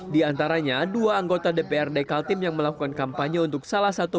di antaranya dua anggota dprd kaltim yang melakukan kampanye untuk salah satu